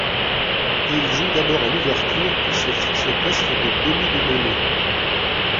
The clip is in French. Il joue d'abord à l'ouverture, puis se fixe au poste de demi de mêlée.